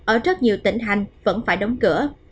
ở rất nhiều tỉnh hành vẫn phải đóng cửa